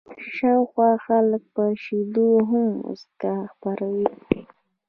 شاوخوا خلکو پر شونډو هم مسکا خپره وه.